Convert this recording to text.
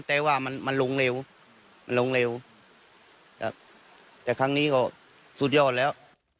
แต่ว่ามันมันลงเร็วมันลงเร็วครับแต่ครั้งนี้ก็สุดยอดแล้ว